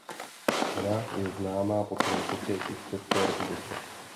Hra je známá po celém světě i v České republice.